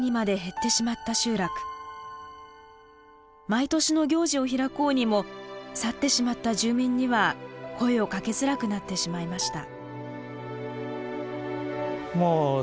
毎年の行事を開こうにも去ってしまった住民には声をかけづらくなってしまいました。